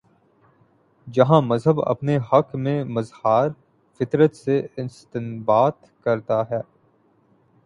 جہاں مذہب اپنے حق میں مظاہر فطرت سے استنباط کر تا ہے۔